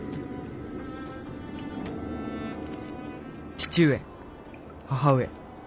「父上母上。